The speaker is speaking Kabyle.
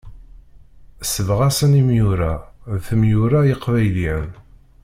Sebɣasen imyura, d temyura iqbayliyen.